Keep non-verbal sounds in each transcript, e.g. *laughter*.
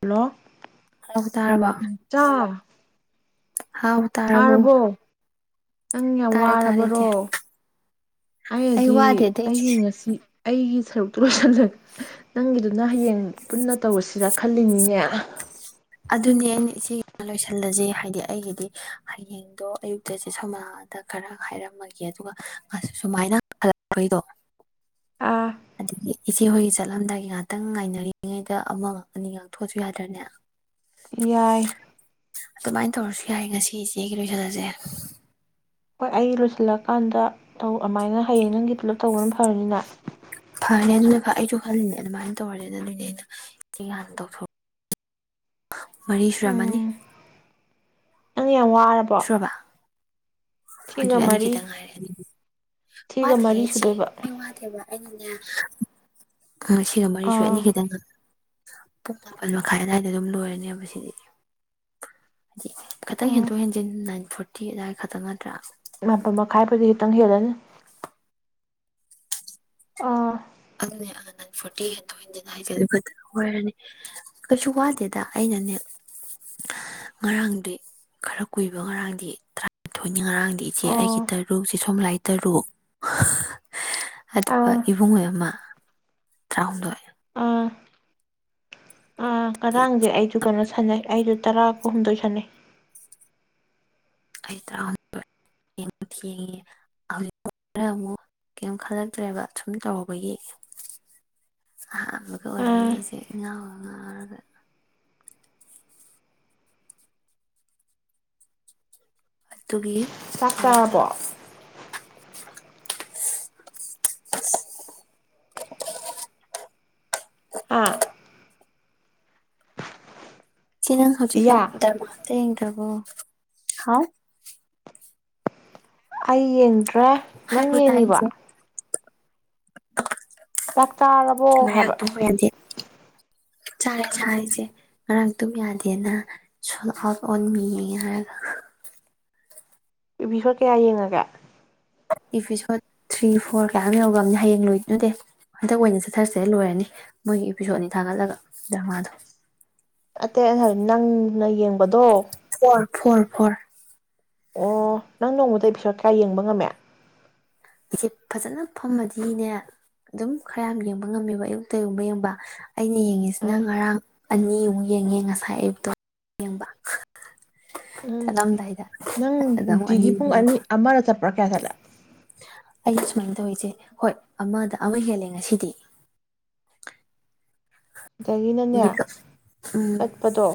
Hello hello ꯇꯥꯔꯕꯣ ꯏꯆꯥ ꯍꯥꯎ ꯇꯥꯔꯕꯣ? ꯅꯪ ꯌꯥꯝ ꯇꯥꯔꯦ ꯇꯥꯔꯦ ꯋꯥꯔꯕꯔꯣ ꯏꯆꯦ ꯑꯩ ꯑꯩꯅꯗꯤ ꯋꯥꯗꯦꯗ ꯑꯩꯒꯤ ꯏꯆꯦ ꯉꯁꯤ ꯑꯩꯒꯤ ꯁꯔꯨꯛꯇꯨꯒ ꯁꯝꯖꯟ ꯅꯪꯒꯤꯗꯨꯅ ꯍꯌꯦꯡ ꯄꯨꯟꯅ ꯇꯧꯔꯁꯤꯔ ꯈꯜꯂꯤꯅꯤꯅꯦ ꯑꯗꯨꯅꯦ ꯑꯩꯅ ꯏꯆꯦꯒꯤꯗꯣ ꯂꯣꯏꯁꯤꯜꯂꯖꯦ ꯍꯥꯏꯗꯤ ꯑꯩꯒꯤꯗꯤ ꯍꯌꯦꯡꯗꯣ ꯑꯌꯨꯛꯇꯁꯦ ꯁꯣꯃꯗ ꯈꯔ ꯍꯥꯏꯔꯝꯃꯒꯦ ꯑꯗꯨꯒ ꯁꯨꯃꯥꯏꯅ ꯍꯜꯂꯛꯄꯩꯗꯣ ꯑꯥ ꯑꯗꯒꯤ ꯏꯆꯦ ꯍꯣꯏꯒꯤ ꯆꯠꯂꯝꯗꯥꯏ ꯉꯍꯥꯛꯇꯪ ꯉꯥꯏꯅꯔꯤꯉꯩꯗ ꯑꯃ ꯑꯅꯤ *unintelligible* ꯊꯣꯛꯑꯁꯖꯨ ꯌꯥꯗ꯭ꯔꯅꯦ ꯌꯥꯏ *unintelligible* ꯂꯣꯏꯁꯜ ꯂꯖꯦ ꯍꯣꯏ ꯑꯩꯒꯤ ꯂꯣꯏꯁꯤꯜꯂꯀꯥꯟꯗ ꯑꯗꯨ ꯑꯃꯥꯏꯅ ꯍꯌꯦꯡ ꯅꯪꯒꯤ ꯄꯨꯂꯞ ꯇꯧꯕꯅ ꯐꯔꯅꯤꯅ꯫ ꯐꯔ ꯑꯗꯨꯅ ꯐ ꯑꯩꯁꯨ ꯈꯜꯂꯤꯅꯦ ꯑꯗꯨꯃꯥꯏꯅ ꯇꯧꯔꯁꯦ ꯑꯗꯨꯏꯅꯦ ꯑꯩꯅ ꯏꯆꯦꯒꯤ ꯍꯥꯟꯅ ꯇꯧꯊꯣꯛ ꯃꯔꯤ ꯁꯨꯔꯝꯃꯅꯤ ꯎꯝ ꯅꯪ ꯌꯥꯝ ꯋꯥꯔꯕꯣ ꯁꯨꯔꯕ ꯊꯤꯒ ꯑꯗꯨꯗꯤ ꯑꯅꯤ ꯃꯔꯤ ꯈꯤꯇꯪ ꯉꯥꯏꯔꯦꯅꯤ, ꯊꯤꯒ ꯋꯥꯗꯦ ꯃꯔꯤ ꯏꯆꯦ ꯁꯨꯗꯣꯏꯕ ꯑꯩ ꯋꯥꯗꯦꯕ ꯑꯩꯅꯅꯦ ꯑꯝ ꯁꯤꯒ ꯃꯔꯤ ꯁꯨꯔꯦ ꯑꯥ ꯑꯅꯤ ꯈꯤꯇꯪ ꯄꯨꯡ ꯃꯥꯄꯜ ꯃꯈꯥꯏ ꯑꯗꯨꯋꯥꯏꯗ ꯑꯗꯨꯝ ꯂꯣꯏꯔꯅꯦꯕ ꯁꯤꯗꯤ ꯈꯇꯪ ꯎꯝ ꯍꯦꯟꯗꯣꯛ - ꯍꯦꯟꯖꯤꯟ ꯅꯥꯏꯟ ꯐꯣꯔ ꯇꯤ ꯑꯗꯨꯗꯥꯏ ꯈꯛꯇꯪ ꯅꯠꯇ꯭ꯔꯥ ꯃꯥꯄꯟ ꯃꯈꯥꯏꯕꯨꯗꯤ ꯈꯤꯇꯪ ꯍꯦꯜꯂꯅꯤ ꯑꯥ *inaudible* ꯐꯣꯔꯇꯤ ꯍꯦꯟꯇꯣꯛ ꯍꯦꯟꯖꯤꯟ ꯍꯥꯏꯁꯦ ꯑꯗꯨꯒ ꯑꯣꯏꯔꯅꯤ ꯀꯩꯁꯨ ꯋꯥꯗꯦꯗ ꯑꯩꯅꯅꯦ ꯉꯔꯥꯡꯗꯤ ꯈꯔ ꯀꯨꯏꯕ ꯉꯔꯥꯡꯗꯤ ꯇꯔꯥꯅꯤꯊꯣꯏꯅꯤ ꯉꯔꯥꯡꯗꯤ ꯏꯆꯦ ꯑꯩꯒꯤ ꯑꯣ ꯇꯔꯨꯛ ꯏꯆ ꯁꯣꯝꯂꯥꯏ ꯇꯔꯨꯛ ꯑꯗꯨꯒ ꯑꯥ ꯏꯕꯨꯡꯉꯣ ꯑꯃ ꯇꯔꯥꯍꯨꯝꯗꯣꯏ ꯑ ꯉꯔꯥꯡꯗꯤ ꯑꯩꯁꯨ ꯀꯩꯅꯣ ꯁꯥꯟꯅꯩ ꯑꯩꯗꯨ ꯇꯔꯥꯒꯍꯨꯝꯗꯣꯏ ꯁꯥꯟꯅꯩ ꯑꯩ ꯇꯔꯥꯍꯨꯝꯗꯣꯏ ꯊꯦꯡ ꯊꯦꯡ ꯉꯤ ꯍꯧꯖꯤꯛ ꯑꯃꯨꯛ ꯀꯔꯤꯝ ꯈꯜꯂꯛꯇ꯭ꯔꯦꯕ ꯁꯨꯝ ꯇꯧꯔꯧꯕꯒꯤ ꯑꯍꯥꯟꯕꯒ ꯑꯣꯏꯕꯒꯤ ꯑꯥ ꯑꯩꯁꯦ ꯏ ꯉꯥꯎꯕ ꯉꯥꯎꯔꯒ ꯇꯨꯒꯤ ꯆꯥꯛ ꯆꯥꯔꯕꯣ *unintelligible* *inaudible* ꯍꯥꯥ ꯆꯦ ꯅꯪ ꯄꯤꯌꯥ ꯍꯧꯖꯤꯀꯥꯟ ꯗ꯭ꯔꯥꯥꯃꯥꯥ *inaudible* ꯍꯥꯎ ꯑꯩꯌꯦꯟ ꯇ꯭ꯔꯦ ꯅꯪ ꯍꯥꯏꯕ ꯇꯥꯏ ꯌꯦꯡꯉꯤꯕꯣ ꯏꯆꯦ ꯆꯥꯛ ꯆꯥꯔꯕꯣ ꯍꯥꯌꯕ ꯆꯥꯏ ꯆꯔꯤꯁꯦ ꯉꯔꯥꯡ ꯑꯗꯨꯝ ꯌꯥꯗꯦꯅ ꯁꯣꯜ ꯑꯥꯎꯠ ꯑꯣꯟ ꯃꯤꯌꯦ ꯍꯥꯏꯔꯒ ꯄꯕꯤꯈꯣꯏ ꯀꯌꯥ ꯌꯦꯡꯉꯒꯦ ꯏꯄꯤꯁꯣꯠ ꯊ꯭ꯔꯤ ꯐꯣꯔ ꯀꯌꯥꯝ ꯌꯧꯔꯛꯑꯕꯅꯤ ꯍꯌꯦꯡ ꯂꯣꯏꯅꯨꯗꯦ ꯍꯟꯗꯛ ꯑꯣꯏꯅ ꯆꯠꯊꯔꯁꯦ ꯂꯣꯏꯔꯅꯤ ꯃꯣꯏꯒꯤ ꯏꯄꯤꯁꯣꯠꯅꯤ ꯊꯥꯒꯠꯂꯒ ꯗ꯭ꯔꯃꯥꯗꯣ ꯑꯇꯩ ꯑꯩꯅ ꯍꯥꯏꯕ ꯅꯪꯅ ꯌꯦꯡꯕꯗꯣ ꯐꯣꯔ ꯐꯣꯔ ꯐꯣꯔ ꯑꯣ ꯅꯪ ꯅꯣꯡꯃꯗ ꯑꯦꯄꯤꯁꯣꯠ ꯀꯌꯥ ꯌꯦꯡꯕ ꯉꯝꯃꯦ ꯑꯩꯁꯦ ꯐꯖꯅ ꯐꯝꯃꯗꯤꯅꯦ ꯑꯗꯨꯝ ꯈꯔ ꯌꯥꯝ ꯌꯦꯡꯕ ꯉꯝꯃꯦꯕ ꯑꯌꯨꯛꯇ ꯌꯦꯡꯕ ꯌꯦꯡꯕ ꯑꯩꯅ ꯌꯦꯡꯉꯤꯁꯤꯅ ꯑꯥ ꯉꯔꯥꯡ ꯑꯅꯤꯃꯨꯛ ꯌꯦꯡꯉꯦ ꯉꯁꯥꯏ ꯑꯌꯨꯛꯇ ꯌꯦꯡꯕ ꯎꯝ ꯆꯂꯝꯗ ꯅꯪ ꯅꯨꯡꯇꯤꯒꯤ ꯄꯨꯡ ꯑꯅꯤ ꯑꯃꯗ ꯆꯠꯄ꯭ꯔꯥ ꯀꯌꯥ ꯆꯠꯂꯦ ꯑꯩ ꯁꯨꯃꯥꯏꯅ ꯇꯧꯔꯤꯁꯦ ꯍꯣꯏ ꯑꯃꯗ ꯑꯃ ꯍꯦꯜꯂꯦ ꯉꯁꯤꯗꯤ ꯁꯤꯗꯒꯤꯅꯅꯦ ꯃꯦꯀꯞ ꯆꯠꯄꯗꯣ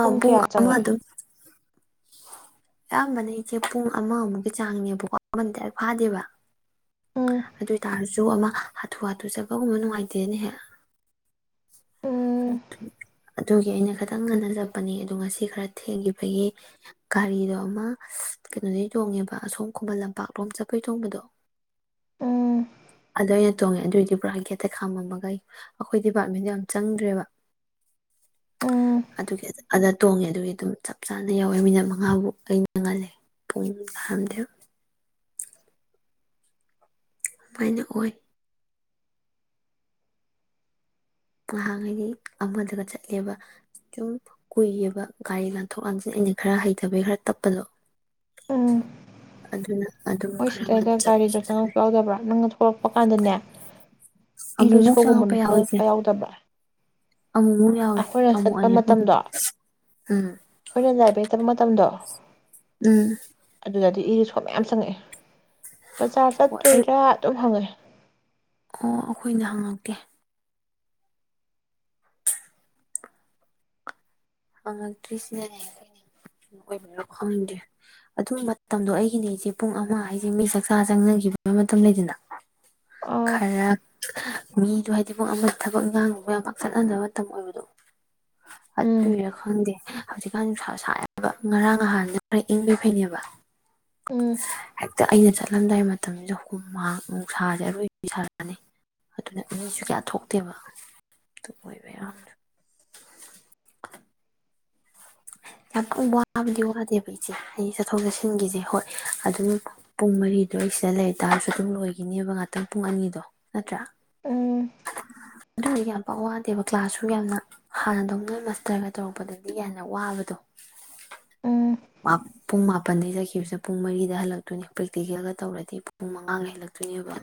ꯄꯨꯡ ꯀꯌꯥ ꯑꯃ ꯆꯪꯉꯦ ꯑꯗꯨ ꯑꯌꯥꯝꯕꯅ ꯏꯆꯦ ꯄꯨꯡ ꯑꯃꯃꯨꯛꯀꯤ ꯆꯥꯡꯅꯦꯕꯀꯣꯟꯗꯤ ꯐꯥꯗꯦꯕ ꯎꯝ ꯑꯗꯨ ꯑꯣꯏ ꯇꯔꯁꯨ ꯑꯃ ꯍꯥꯊꯨ ꯍꯥꯊꯨ ꯆꯠꯄꯒꯨꯝꯕ ꯅꯨꯡꯉꯥꯏꯇꯦꯅꯦꯍꯦꯛ ꯎꯝ ꯑꯗꯨꯒꯤ ꯑꯩꯅ ꯈꯤꯇꯪ ꯉꯟꯅ ꯆꯠꯄꯅꯦ ꯑꯗꯨꯗ ꯉꯁꯤ ꯈꯔ ꯊꯦꯡꯈꯤꯕꯒꯤ ꯒꯥꯔꯤꯗꯣ ꯑꯃ ꯀꯩꯅꯣꯗꯩ ꯇꯣꯡꯉꯦꯕ ꯑꯁꯣꯝ ꯈꯨꯕꯟ ꯂꯝꯄꯥꯛꯂꯣꯝ ꯆꯠꯄꯩ ꯆꯣꯡꯕꯗꯣ ꯎꯝ ꯑꯗ ꯑꯩꯅ ꯇꯣꯡꯉꯦ ꯑꯗꯨꯑꯣꯏꯗꯤ ꯄꯨꯕ꯭ꯔꯥ ꯒꯦꯠꯇ ꯈꯥꯝꯃꯝꯃꯒ ꯑꯩ ꯑꯩꯈꯣꯏ ꯗꯤꯄꯥꯔꯠꯃꯦꯟꯗꯣ ꯌꯥꯝ ꯆꯪꯗ꯭ꯔꯦꯕ ꯎꯝ ꯑꯗꯨꯒꯤ ꯑꯗ ꯇꯣꯡꯉꯦ ꯑꯗꯨꯒꯤ ꯑꯗꯨꯝ ꯆꯞ ꯆꯥꯅ ꯌꯥꯧꯋꯦ ꯃꯤꯅꯠ ꯃꯉꯥꯕꯨꯧ ꯑꯩꯅ ꯉꯜꯂꯦ ꯄꯨꯡ ꯊꯥꯔꯝꯗꯦ ꯑꯗꯨꯃꯥꯏꯅ ꯑꯣꯏ ꯉꯍꯥꯟ ꯍꯥꯏꯗꯤ ꯑꯃꯗꯒ ꯆꯠꯂꯦꯕ ꯁꯨꯝ ꯀꯨꯏꯌꯦꯕ ꯒꯥꯔꯤ ꯂꯥꯟꯊꯣꯛ ꯂꯥꯟꯁꯤꯟ ꯑꯩꯅ ꯈꯔ ꯍꯩꯇꯕꯩ ꯈꯔ ꯇꯞꯄꯗꯣ ꯎꯝ ꯑꯗꯨꯅ ꯑꯗꯨꯝ ꯍ ꯈꯔ ꯁꯤꯗꯩꯗ ꯉꯟꯅ ꯆꯠꯄꯁꯨ ꯒꯥꯔꯤꯗꯣ ꯆꯠꯂꯦ ꯆꯪꯉꯛꯄ ꯌꯥꯎꯗꯕ꯭ꯔꯥ ꯅꯪꯅ ꯊꯣꯛꯂꯛꯄ ꯄꯄꯀꯥꯟꯗꯅꯦ ꯏꯔꯣꯏ ꯑꯃꯨꯛꯃꯨꯛ ꯆꯪꯉꯛꯄ ꯁꯣꯒꯨꯝꯕꯅꯇ ꯌꯥꯎꯋꯦ ꯏꯆꯦ ꯌꯥꯎꯗꯕ꯭ꯔꯥ ꯑꯃꯨꯛꯃꯨꯛ ꯌꯥꯎꯏꯦ ꯑꯩꯈꯣꯏꯅ ꯑꯃꯨꯛ ꯆꯠꯄ ꯑꯅꯤ ꯃꯇꯝꯗꯣ ꯎꯝ ꯑꯩꯈꯣꯏꯅ ꯂꯥꯏꯕ꯭ꯔꯦꯔꯤ ꯆꯠꯄ ꯃꯇꯝꯗꯣ ꯎꯝ ꯑꯗꯨꯗꯗꯤ ꯏꯒꯤ ꯁꯣ ꯃꯌꯥꯝ ꯆꯪꯉꯛꯑꯦ ꯕꯖꯥꯔ ꯍꯣꯏ ꯑꯩ ꯆꯠꯇꯣꯏꯔꯥ ꯑꯗꯨꯝ ꯍꯪꯉꯦ ꯑꯣ ꯑꯩꯈꯣꯏꯅ ꯍꯪꯉꯛꯀꯦ ꯍꯪꯉꯛꯇ꯭ꯔꯤꯁꯤꯅꯅꯦ ꯈꯪꯗ꯭ꯦ ꯑꯗꯨ ꯃꯇꯝꯗꯣ ꯑꯩꯒꯤꯅꯦ ꯑꯩꯁꯦ ꯄꯨꯡ ꯑꯃ ꯍꯥꯏꯁꯦ ꯃꯤ ꯆꯥꯛꯆꯥ ꯆꯪꯅꯈꯤꯕ ꯃꯇꯝ ꯂꯩꯗꯅ ꯑꯥ ꯈꯔ ꯃꯤꯗꯣ ꯍꯥꯏꯗꯤ ꯄꯨꯡ ꯑꯃ ꯊꯕꯛ ꯉꯥꯡꯕ ꯆꯠꯍꯟꯗꯕ ꯃꯇꯝ ꯑꯣꯏꯕꯗꯣ ꯎꯝ ꯀꯨꯏꯔꯥ ꯈꯪꯗꯦ ꯍꯧꯖꯤꯛꯀꯥꯟ ꯅꯨꯡꯁ ꯁꯕ ꯉꯔꯥꯡ ꯅꯍꯥꯟꯅ ꯈꯔ ꯏꯪꯕꯣꯏ ꯐꯩꯅꯦꯕ ꯎꯝ ꯍꯛꯇ ꯑꯩꯅ ꯆꯠꯂꯝꯗꯥꯏ ꯃꯇꯝꯁꯤꯗ ꯍꯨꯝ ꯃꯥꯡ ꯑꯃꯨꯛ ꯁꯥꯁꯦ ꯑꯔꯣꯏ ꯁꯥꯔꯛꯑꯅꯤ ꯑꯗꯨꯅ ꯃꯤꯁꯨ ꯀꯌꯥ ꯊꯣꯛꯇꯦꯕ ꯑꯗꯨ ꯑꯣꯏꯕ ꯌꯥꯝ *inaudible* ꯌꯥꯝ ꯋꯥꯕꯨꯗꯤ ꯋꯥꯗꯦꯕ ꯏꯆꯦ ꯑꯩ ꯆꯠꯊꯣꯛ ꯆꯠꯁꯤꯟꯒꯤꯁꯦ ꯍꯣꯏ ꯑꯗꯨꯝ ꯄꯨꯡ ꯃꯔꯤꯗ ꯑꯩ ꯁꯤꯗ ꯂꯩꯇꯥꯥꯔꯁꯨ ꯑꯗꯨꯝ ꯂꯣꯏꯈꯤꯅꯦꯕ ꯉꯥꯛꯇꯪ ꯄꯨꯡ ꯑꯅꯤꯗꯣ ꯅꯠꯇ꯭ꯔꯥ ꯎꯝ ꯑꯗꯨꯗꯤ ꯌꯥꯝ ꯄꯋꯥꯗꯦꯕ ꯀ꯭ꯂꯥꯁꯁꯨ ꯌꯥꯝꯅ ꯍꯥꯟꯅꯗꯣ ꯅꯣꯏ ꯃꯥꯁꯇꯔꯒ ꯇꯧꯔꯛꯄꯗꯗꯤ ꯌꯥꯝꯅ ꯋꯥꯕꯗꯣ ꯎꯝ ꯃꯥꯄꯨꯡ ꯃꯥ ꯄꯟꯗꯩ ꯆꯠꯈꯤꯕꯁꯦ ꯄꯨꯡ ꯃꯔꯤꯗ ꯍꯜꯂꯛꯇꯣꯏꯅꯦ ꯄ꯭ꯔꯦꯛꯇꯤꯀꯦꯜꯒ ꯇꯧꯔꯗꯤ ꯄꯨꯡ ꯃꯉꯥꯒ ꯍꯜꯂꯛꯇꯣꯏꯅꯦꯕ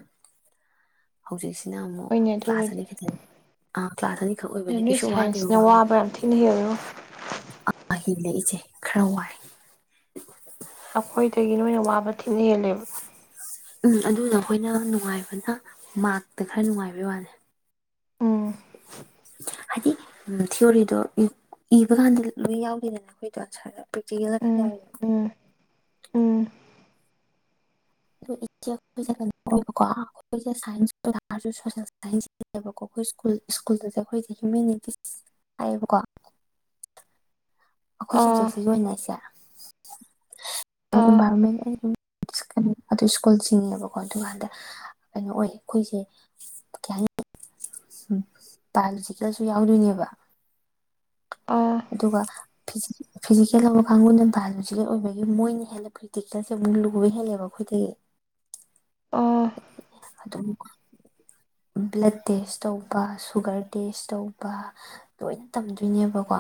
ꯍꯧꯖꯤꯛꯁꯦ ꯁꯤꯅ ꯑꯃꯨꯛ ꯍꯣꯏꯅꯦ ꯀ꯭ꯂꯥꯁ ꯑꯗꯨꯕꯨꯗꯤ ꯑꯅꯤ ꯑ ꯀ꯭ꯂꯥꯁ ꯑꯅꯤꯈꯛ ꯑꯗ ꯑꯣꯏꯕꯅꯦ ꯅꯣꯏ ꯀꯩꯁꯨ ꯋꯥꯗꯦꯕ ꯋꯥ ꯁꯥꯏꯟꯁꯅꯋꯥꯕ ꯌꯥꯝ ꯊꯤꯅ ꯍꯦꯜꯂꯦꯉꯣ ꯂꯩꯏꯁꯦ ꯈꯔ ꯋꯥꯏ ꯑꯩꯈꯣꯏꯗꯒꯤ ꯅꯣꯏꯅ ꯋꯥꯕ ꯊꯤꯅꯍꯦꯜꯂꯦꯕ ꯎꯝ ꯑꯗꯨꯅ ꯑꯩꯈꯣꯏꯅ ꯅꯨꯡꯉꯥꯏꯕꯅ ꯃꯔꯛꯇ ꯈꯔ ꯅꯨꯡꯉꯥꯏꯕꯩ ꯋꯥꯅꯤ ꯎꯝ ꯍꯥꯏꯗꯤ ꯊꯤꯑꯣꯣꯔꯤꯗꯣ ꯏꯕ ꯀꯥꯟꯗ ꯂꯣꯏ ꯌꯥꯎꯗꯦꯗꯅ ꯑꯩꯈꯣꯏꯗꯣ ꯑꯟꯁꯔꯗ ꯄ꯭ꯔꯦꯛꯇꯤꯀꯦꯜꯗ ꯈꯔ ꯎꯝ ꯌꯥꯎꯋꯤꯗꯅ ꯎꯝ ꯎꯝ ꯩꯅꯕꯀꯣ ꯑꯩꯈꯣꯏꯁꯦꯥꯏꯁꯔꯣꯕꯀꯣ ꯑꯩꯈꯣꯏ ꯁꯀꯨꯜꯦ ꯑꯩꯈꯣꯏꯁꯦ ꯍ꯭ꯌꯨꯃꯦꯟꯅꯤꯇꯤꯁ ꯍꯥꯏꯌꯦꯕꯀꯣ ꯑꯩꯈꯣꯏ ꯑꯥ ꯁꯞꯖꯦꯛꯁꯤ ꯌꯣꯟꯅꯩꯁꯦ *inaudible* ꯑꯥ ꯏꯟꯚꯥꯏꯔꯟꯃ‌ꯦꯟ ꯑꯩ ꯑꯗꯨ ꯁ꯭ꯀꯨꯜ ꯆꯤꯡꯉꯦꯕꯀꯣ ꯑꯗꯨꯀꯥꯟꯗ ꯀꯩꯅꯣ ꯑꯣꯏ ꯑꯩꯈꯣꯏꯁꯦ ꯀꯩ ꯍꯥꯏꯅꯤ ꯕꯥꯏꯑꯣꯂꯣꯖꯤꯀꯦꯜꯁꯨ ꯌꯥꯎꯗꯣꯏꯅꯦꯕ ꯑꯥ ꯑꯗꯨꯒ ꯐꯤ ꯐꯤꯖꯤꯀꯦꯜ ꯂꯧꯕ ꯀꯥꯡꯕꯨꯅ ꯕꯥꯏꯑꯣꯂꯣꯖꯤꯀꯦꯜ ꯑꯣꯏꯕꯒꯤ ꯃꯣꯏꯅ ꯍꯦꯟꯅ ꯄꯔꯛꯇꯤꯀꯦꯜꯁꯦ ꯑꯃꯨꯛ ꯂꯨꯕ ꯍꯦꯜꯂꯦꯕ ꯑꯩꯈꯣꯏꯗꯒꯤ ꯑꯥ ꯑꯗꯨꯝ ꯕ꯭ꯂꯠ ꯇꯦꯁ ꯇꯧꯕ ꯁꯨꯒꯔ ꯇꯦꯁ ꯇꯧꯕ ꯂꯣꯏꯅ ꯇꯝꯗꯣꯏꯅꯦꯕꯀꯣ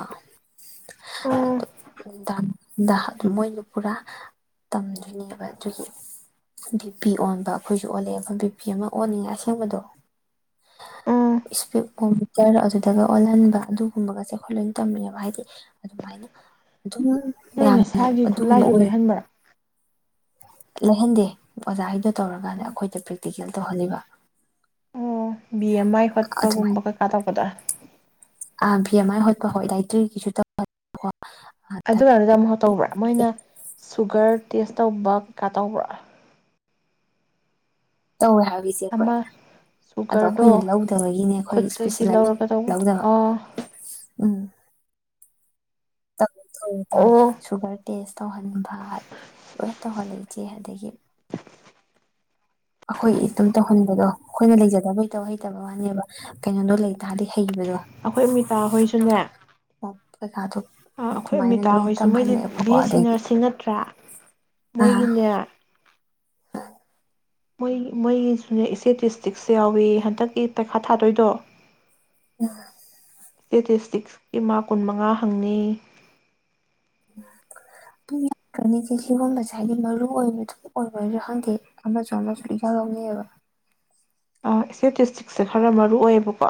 ꯎꯝ ꯑꯗ‌ꯣ ꯑꯗꯨꯝ ꯃꯣꯏꯗ‌ꯣ ꯄꯨꯔꯥ ꯇꯝꯗꯣꯏꯅꯦꯕ ꯑꯗꯨꯒꯤ ꯕꯤ ꯄꯤ ꯑꯣꯟꯕ ꯑꯩꯈꯣꯏꯁꯨ ꯑꯣꯜꯂꯛꯑꯦꯕ ꯕꯤꯄꯤ ꯑꯃ ꯑꯣꯟꯅꯤꯉꯥꯏ ꯑꯁꯦꯡꯕꯗꯣ ꯎꯝ ꯏꯁꯄꯦ ꯃꯣꯏ ꯅꯥ ꯑꯗꯨꯗꯒ ꯑꯣꯜꯍꯟꯕ ꯑꯗꯨꯒꯨꯝꯕꯒꯁꯦ ꯑꯩꯈ‌ꯣꯏ ꯂꯣꯏꯅ ꯇꯝꯃꯛꯑꯦꯕ ꯍꯥꯏꯗꯤ ꯑꯗꯨꯃꯥꯏꯅ ꯑꯗꯨꯝ ꯅꯣꯏ ꯃꯌꯥꯝꯅ ꯅꯁꯥꯒꯤ ꯑꯗꯨꯒꯨꯝꯕ ꯈꯨꯠꯂꯥꯏꯁꯨ ꯑꯣꯏ ꯂꯩꯍꯟꯕ꯭ꯔꯥ ꯂꯩꯍꯟꯗꯦ ꯑꯣꯖꯥ ꯒꯤꯗꯣ ꯇꯧꯔꯒ ꯀꯥꯟꯗ ꯎꯝ ꯑꯩꯈꯣꯏꯗ ꯄ꯭ꯔꯦꯛꯇꯤꯀꯦꯜ ꯇꯧꯍꯜꯂꯤꯕ ꯕꯤ ꯑꯦ ꯃꯥꯏ ꯍꯣꯠꯄꯒꯨꯝꯕ ꯑꯗꯨꯃꯥꯏꯅ ꯀꯩꯀꯥ ꯇꯧꯒꯗ꯭ꯔꯥ ꯑꯥ ꯚꯤ ꯑꯦꯃꯥꯏ ꯍꯣꯠꯄ ꯍꯣꯏ ꯗꯥꯏꯇ꯭ꯔꯤꯒꯤꯁꯨ ꯇ ꯑꯗꯨꯀꯥꯟꯗꯨꯗ ꯑꯃꯨꯔꯛ ꯇꯧꯕ꯭ꯔꯥ ꯃꯣꯏꯅ ꯁꯨꯒꯔ ꯇꯦꯁ ꯇꯧꯕ ꯀꯩꯀꯥ ꯇꯧꯕ꯭ꯔꯥ ꯇꯧꯋꯦ ꯍꯥꯏꯕ ꯏꯆ‌ꯦ ꯑꯩꯈꯣꯏ ꯑꯃ ꯑꯗꯣ ꯁꯨꯒꯔꯗꯣ ꯑꯩꯈꯣꯏꯅ ꯂꯧꯗꯕꯒꯤꯅꯦ ꯑꯩꯈꯣꯏ ꯈꯨꯠꯇꯒꯤ ꯂꯧꯔꯒ ꯏꯁꯄꯤꯦꯁꯦꯂꯥꯏꯁ‌ꯦꯁꯟ ꯇꯧꯕꯗꯣ ꯂꯧꯗꯕ ꯑꯥ ꯎꯝ ꯑꯣ ꯁꯨꯒꯔ ꯇꯦꯁ ꯇꯧꯍꯟꯕ ꯂꯣꯏ ꯇꯧꯍꯜꯂ‌ꯦ ꯆꯦ ꯑꯗꯒꯤ ꯑꯩꯈꯣꯏ ꯏꯇ‌ꯣꯝ ꯇꯧꯍꯟꯕꯗꯣ ꯑꯩꯈꯣꯏꯅ ꯂꯩꯖꯗꯕꯒꯤ ꯇꯧ ꯍꯩꯇꯕ ꯋꯥꯅꯦꯕ ꯀꯩꯅꯣꯗꯣ ꯂꯩ ꯇꯥꯔꯗꯤ ꯍꯩꯕꯗꯣ ꯑꯩꯈꯣꯏ ꯃꯤꯇꯥ ꯍꯣꯏꯁꯨꯅꯦ ꯄꯩꯈꯥ ꯗꯣ ꯑꯩꯈꯣꯏ ꯑꯃꯤꯇꯥ ꯍꯣꯏꯁꯨ ꯃꯣꯏꯗꯤ ꯕꯤ ꯑꯦ ꯁꯤ ꯑꯗꯒꯤ ꯅꯔꯁꯤꯡ ꯅꯠꯇ꯭ꯔꯥ ꯑꯥ ꯃꯣꯏꯒꯤꯅꯦ ꯃꯣꯏ ꯃꯣꯏꯒꯤꯁꯨꯅꯦ ꯏꯆꯗꯤꯁꯇ꯭ꯔꯤꯛꯁ ꯌꯥꯎꯋ‌ꯦꯌ‌ꯦ ꯍꯟꯗꯛꯀꯤ ꯄꯩꯈꯥ ꯊꯥꯗꯣꯏꯗꯣ ꯎ ꯏ꯭ꯁꯇꯦꯇꯤꯁꯇꯤꯛꯀꯤ ꯃꯥꯛ ꯀꯨꯟꯃꯉꯥ ꯍꯪꯅꯤꯌꯦ ꯑꯗꯨꯝ ꯌꯥꯝꯗ꯭ꯔꯝꯅꯤ ꯏꯆ‌ꯦ ꯁꯤꯐꯥꯎ ꯉꯁꯥꯏꯒꯤ ꯃꯔꯨ ꯑꯣꯏꯕ ꯑꯗꯨꯝ ꯑꯣꯏꯕꯁꯨ ꯈꯪꯗꯦ ꯑꯃꯁꯨ ꯑꯃꯁꯨ ꯏꯌꯥꯎ ꯌꯥꯎꯅꯩꯌ‌ꯦꯕ ꯑꯥ ꯏꯁꯇꯦꯇꯁꯇ꯭ꯔꯤꯛꯁꯦ ꯈꯔ ꯃꯔꯨ ꯑꯣꯏꯌꯦꯕꯀꯣ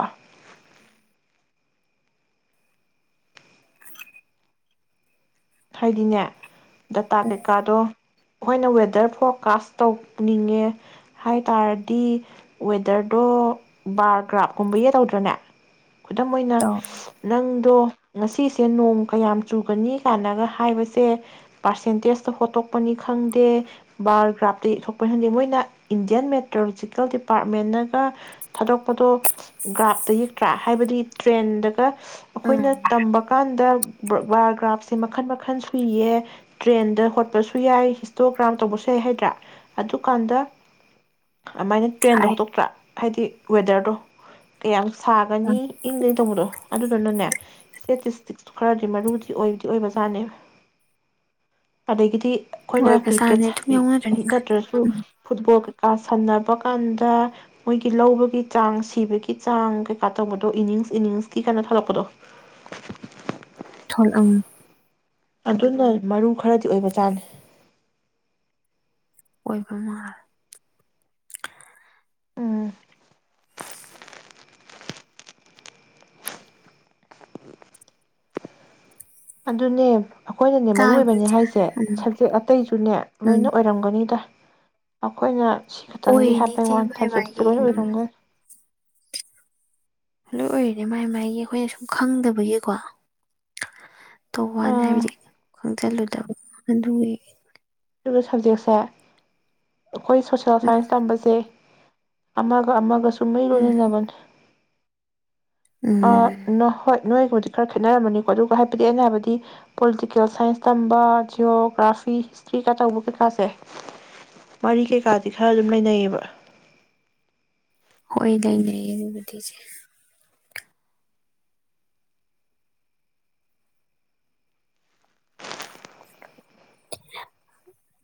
ꯍꯥꯏꯗꯤꯅꯦ ꯗꯥꯇꯥ ꯎꯝ ꯀꯩꯀꯥꯗꯣ ꯑꯩꯈꯣꯏꯅ ꯋꯦꯗꯔ ꯐꯣꯔꯀꯥꯁ ꯇꯧꯅꯤꯡꯉꯦ ꯍꯥꯏ ꯇꯥꯔꯗꯤ ꯋꯦꯗꯔꯗꯣ ꯕꯥꯔꯒ꯭ꯔꯥꯐꯀꯨꯝꯕ ꯌꯦꯛꯑ ꯇꯧꯗ꯭ꯔꯅꯦ ꯈꯨꯗꯝ ꯑꯣꯏꯅ ꯇꯧ ꯅꯪ ꯑꯗꯣ ꯉꯁꯤꯁꯦ ꯅꯣꯡ ꯀꯌꯥꯝ ꯆꯨꯒꯅꯤ ꯀꯥꯏꯅꯒ ꯍꯥꯏꯕꯁꯦ ꯄꯥꯔꯁꯦꯟꯇꯦꯖꯇ ꯍꯣꯠꯇꯣꯛꯄꯅꯤ ꯈꯪꯗꯦ ꯕꯥꯔꯒ꯭ꯔꯥꯐꯇ ꯌꯦꯛꯊꯣꯛꯄꯅꯤ ꯈꯪꯗꯦ ꯃꯣꯏꯅ ꯏꯟꯗꯤꯌꯥꯟ ꯃꯦꯇ꯭ꯔꯣꯂꯣꯖꯤꯀꯦꯜ ꯗꯤꯄꯥꯔꯠꯃꯦꯟꯅꯒ ꯊꯥꯗꯣꯔꯛꯄꯗꯣ ꯒ꯭ꯔꯥꯐꯇ ꯌꯦꯛꯇ꯭ꯔꯥ ꯍꯥꯏꯕꯗꯤ ꯇ꯭ꯔꯦꯟꯗꯒ ꯎꯝ ꯑꯩꯈꯣꯏꯅ ꯇꯝꯕ ꯀꯥꯟꯗ ꯕꯥꯔꯒ꯭ꯔꯥꯐꯁ ꯁ‌ꯦ ꯃꯈꯟ ꯃꯈꯟ ꯁꯨꯏꯌꯦ ꯇ꯭ꯔꯦꯟꯗ ꯍꯣꯠꯄꯁꯨ ꯌꯥꯏ ꯍꯤꯁꯇꯣꯒ꯭ꯔꯥꯝ ꯇꯧꯕꯁꯨ ꯌꯥꯏ ꯍꯥꯏꯗ꯭ꯔꯥ ꯑꯗꯨꯀꯥꯟꯗ ꯑꯗꯨꯃꯥꯏꯅ ꯇ꯭ꯔꯦꯟꯗ ꯍꯥꯏ ꯍꯣꯠꯇꯣꯛꯇ꯭ꯔꯥ ꯍꯥꯏꯗꯤ ꯋꯦꯗꯔꯗꯣ ꯀꯌꯥꯝ ꯁꯥꯒꯅꯤ ꯎꯝ ꯏꯪꯒꯩꯗꯧꯕꯗꯣ ꯑꯗꯨꯗꯨꯅꯅꯦ ꯏꯁꯇꯦꯇꯤꯁꯇꯤꯛꯁꯨꯨ ꯈꯔꯗꯤ ꯃꯔꯨꯗꯤ ꯑꯣꯏꯗ ꯑꯣꯏꯕꯖꯥꯅꯦꯕ ꯑꯗꯒꯤꯗꯤ ꯑꯩꯈꯣꯏꯅ ꯀ꯭ꯔꯤꯛꯀꯦꯠ ꯑꯣꯏꯕꯖꯥꯠꯅꯦ ꯑꯗꯨꯝ ꯌꯥꯎꯅꯗꯣꯏꯅꯤ ꯅꯠꯇ꯭ꯔꯁꯨ ꯐꯨꯠꯕꯣꯜ ꯀꯥ ꯁꯟꯅꯕ ꯀꯥꯟꯗ ꯃꯣꯏꯒꯤ ꯂꯧꯕꯒꯤ ꯆꯥꯡ ꯁꯤꯕꯒꯤ ꯆꯥꯡ ꯀꯩꯀꯥ ꯇꯧꯕꯗꯣ ꯏꯅꯤꯡꯁ ꯏꯅꯤꯡꯁꯀꯤ ꯀꯥꯏꯅ ꯊꯣꯂꯛꯄꯗꯣ ꯊꯣꯜ ꯑꯪ ꯑꯗꯨꯅ ꯃꯔꯨ ꯈꯔꯗꯤ ꯑꯣꯏꯕ ꯆꯥꯅꯤ ꯑꯣꯏꯕꯃ ꯎꯝ ꯑꯗꯨꯅꯦ ꯑꯩꯈꯣꯏꯅꯅꯦ ꯃꯔꯨ ꯇꯥꯕ꯭ꯔ ꯑꯣꯏꯕꯅꯦ ꯏꯆꯦ ꯍꯥꯏꯁꯦ ꯎꯝ ꯁꯕꯖꯦꯛ ꯑꯇꯩꯁꯨꯅꯦ ꯎꯝ ꯂꯣꯏꯅ ꯑꯣꯏꯔꯝꯒꯅꯤꯗ ꯑꯩꯈꯣꯏꯅ ꯁꯤ ꯈꯠꯇꯪꯒꯤ ꯑꯣꯏꯔꯤꯅꯤ ꯍꯥꯏꯕꯩ ꯏꯆꯦ ꯋꯥ ꯃꯥꯏ ꯊꯥꯖꯗꯦ ꯃꯥꯒꯤ ꯂꯣꯏ ꯎꯝ ꯑꯣꯏꯔꯝꯒꯅꯤ ꯑꯗꯨꯣꯏ ꯑꯣꯏꯔꯗꯤ ꯃꯥꯏ ꯃꯥꯏꯒꯤ ꯑꯩꯈꯣꯏꯅ ꯁꯨꯝ ꯈꯪꯗꯕꯒꯤꯀꯣ ꯇꯣꯋꯥꯅꯦ ꯑꯥ ꯍꯥꯏꯗꯤ ꯈꯪꯆꯜꯂꯨꯗꯕ ꯑꯗꯨꯒꯤ ꯁꯕꯖꯦꯛꯁꯦ ꯑꯩꯈꯣꯏ ꯁꯣꯁꯦꯜ ꯁꯥꯏꯟꯁ ꯇꯝꯕꯁꯦ ꯑꯃꯒ ꯑꯃꯒ ꯃꯩ ꯎꯝ ꯂꯣꯏꯅꯅꯕꯅꯦ ꯑ ꯎꯝ ꯅꯍꯣꯏ ꯅꯣꯏꯒꯕꯨꯗꯤ ꯈꯔ ꯈꯦꯠꯅꯔꯝꯃꯅꯤꯀꯣ ꯑꯗꯨꯒ ꯍꯥꯏꯕꯗꯤ ꯑꯩꯅ ꯍꯥꯏꯕꯗꯤ ꯄꯣꯂꯤꯇꯤꯀꯦꯜ ꯁꯥꯏꯟꯁ ꯇꯝꯕ ꯖꯤꯑꯣꯒ꯭ꯔꯥꯐꯤ ꯆꯤꯀꯥ ꯇꯧꯕ ꯀꯩꯀꯥꯁꯦ ꯋꯥꯔꯤ ꯀꯩꯀꯥꯗꯤ ꯈꯔ ꯑꯗꯨꯝ ꯂꯩꯅꯩꯌꯦꯕ ꯍꯣꯏꯗ ꯂꯩꯌꯦꯗ ꯗꯨꯕꯨꯗꯤ ꯆꯦ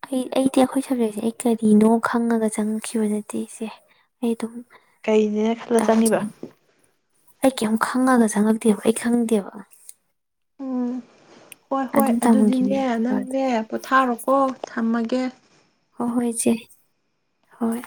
ꯑꯩ ꯑꯩꯗꯤ ꯑꯩꯈꯣꯏ ꯁꯕꯖꯦꯛꯁꯦ ꯑꯩ ꯀꯔꯤꯅꯣ ꯈꯪꯉꯒ ꯆꯪꯉꯛꯈꯤꯕ ꯅꯠꯇꯦ ꯏꯁꯦ ꯑꯩ ꯑꯗꯨꯝ ꯀꯩꯅꯦꯅ ꯈꯜꯂ ꯆꯪꯉꯤꯕ ꯑꯩ ꯀꯩꯝ ꯈꯪꯉꯒ ꯆꯪꯉꯛꯇꯦꯕ ꯑꯩ ꯈꯪꯗꯦꯕ ꯎꯝ ꯍꯣꯏ ꯍꯣꯏ ꯑꯗꯨꯝ ꯑꯗꯨꯗꯤꯅꯦ ꯇꯝꯈꯤꯕꯅꯦ ꯅꯪꯅꯦ ꯄꯣꯊꯥꯔꯣꯀꯣ ꯊꯝꯃꯒꯦ ꯀꯦ ꯍ ꯍꯣꯏꯁꯦ ꯍꯣꯏ